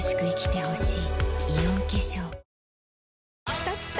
きたきた！